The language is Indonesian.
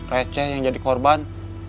receh yang jadi korban